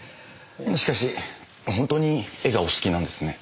しかし本当に絵がお好きなんですね。